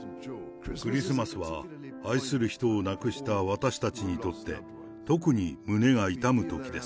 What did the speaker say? クリスマスは愛する人を亡くした私たちにとって、特に胸が痛むときです。